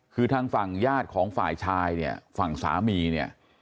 คือทางฝั่งญาติของฝ่ายชายเนี่ยฝั่งสามีเนี่ย